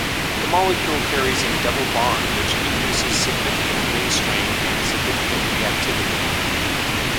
The molecule carries a double bond which induces significant ring strain and significant reactivity.